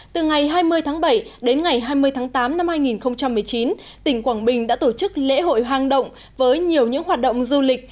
từ ngày hai mươi tháng bảy đến ngày hai mươi tháng tám năm hai nghìn một mươi chín tỉnh quảng bình đã tổ chức lễ hội hang động với nhiều những hoạt động du lịch